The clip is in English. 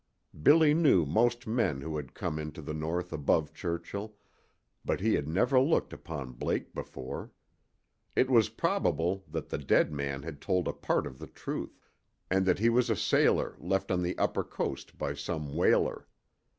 Billy knew most men who had come into the north above Churchill, but he had never looked upon Blake before. It was probable that the dead man had told a part of the truth, and that he was a sailor left on the upper coast by some whaler.